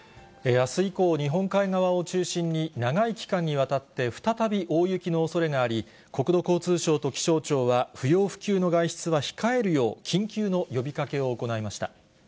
あす以降、日本海側を中心に、長い期間にわたって、再び大雪のおそれがあり、国土交通省と気象庁は、不要不急の外出は控えるよう、緊急の呼びかけを行いました。